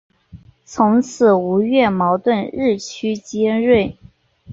从此吴越矛盾日趋尖锐。